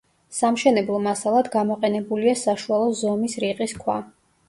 სამშენებლო მასალად გამოყენებულია საშუალო ზომის რიყის ქვა.